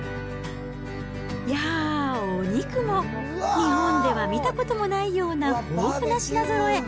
いやぁ、お肉も、日本では見たこともないような豊富な品ぞろえ。